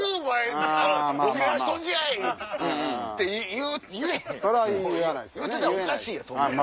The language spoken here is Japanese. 言ってたらおかしいやん。